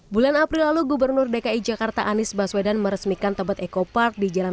bulan april lalu gubernur dki jakarta anies baswedan meresmikan tebet eco park di jalan